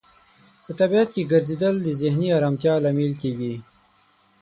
په طبیعت کې ګرځیدل د ذهني آرامتیا لامل کیږي.